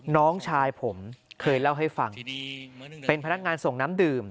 น้องชายผมเคยเล่าให้ฟังเป็นพนักงานส่งน้ำดื่ม